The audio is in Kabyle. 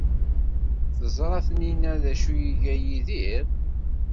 Teẓra Taninna d acu ay iga Yidir?